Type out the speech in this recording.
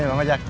ini mau ngajak